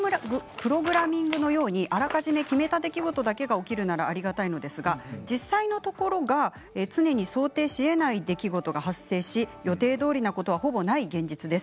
プログラミングのようにあらかじめ決めた出来事ができるならありがたいのですが実際のところ常に想定しえない出来事が発生し予定どおりのことがほぼない現実です。